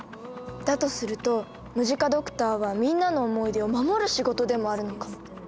だとするとムジカドクターはみんなの思い出を守る仕事でもあるのか。